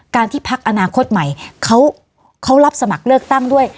ที่พักอนาคตใหม่เขารับสมัครเลือกตั้งด้วย